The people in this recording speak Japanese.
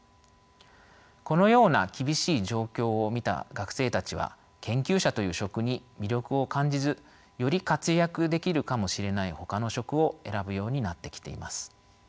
このような厳しい状況を見た学生たちは研究者という職に魅力を感じずより活躍できるかもしれないほかの職を選ぶようになってきています。